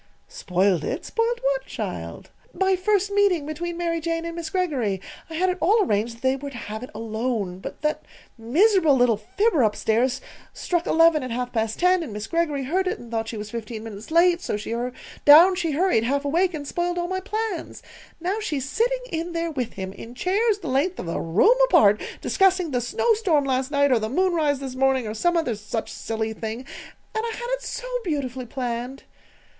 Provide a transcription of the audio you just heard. "Spoiled it! Spoiled what, child?" "My first meeting between Mary Jane and Miss Greggory. I had it all arranged that they were to have it alone; but that miserable little fibber up stairs struck eleven at half past ten, and Miss Greggory heard it and thought she was fifteen minutes late. So down she hurried, half awake, and spoiled all my plans. Now she's sitting in there with him, in chairs the length of the room apart, discussing the snowstorm last night or the moonrise this morning or some other such silly thing. And I had it so beautifully planned!"